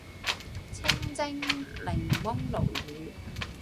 清蒸檸檬鱸魚